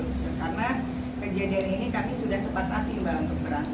karena kejadian ini kami sudah sempat latih mbak untuk berangkat